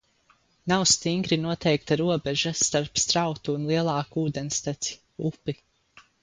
Nav stingri noteikta robeža starp strautu un lielāku ūdensteci – upi.